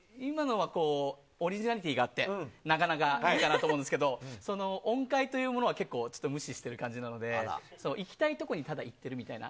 オリジナリティーがあってなかなかいいと思いますが音階というものは無視している感じなのでいきたいところにただいっているみたいな。